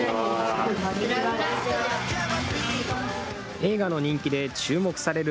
映画の人気で注目される